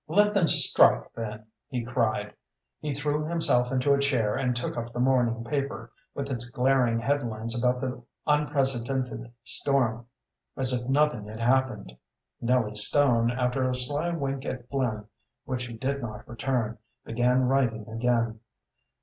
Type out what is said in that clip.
"Let them strike, then!" he cried. He threw himself into a chair and took up the morning paper, with its glaring headlines about the unprecedented storm, as if nothing had happened. Nellie Stone, after a sly wink at Flynn, which he did not return, began writing again.